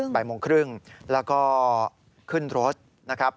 บ่ายโมงครึ่งแล้วก็ขึ้นรถนะครับ